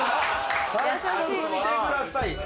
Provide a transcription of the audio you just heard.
早速見てください。